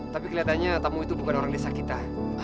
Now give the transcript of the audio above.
tapi kelihatannya tamu itu bukan orang desa kita